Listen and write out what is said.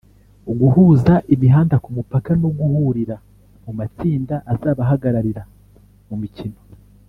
guhuza imihanda ku mupaka no guhurira mu matsinda azabahagararira mu mikino